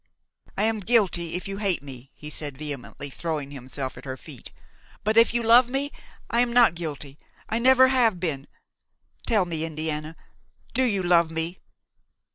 "I am guilty if you hate me," he said, vehemently, throwing himself at her feet; "but, if you love me, I am not guilty–I never have been. Tell me, Indiana, do you love me?"